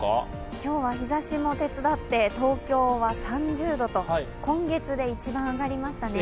今日は日ざしも手伝って東京は３０度と今月で一番上がりましたね。